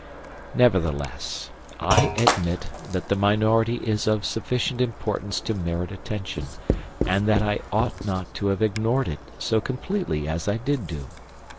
Nevertheless, I admit that the minority is of sufficient importance to merit attention, and that I ought not to have ignored it so completely as I did do.